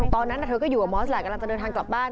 ตอนนั้นเธอก็อยู่กับมอสแหละกำลังจะเดินทางกลับบ้าน